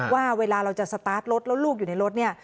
ว่าเวลาเราจะสตาร์ทรถแล้วลูกอยู่ในรถเนี่ย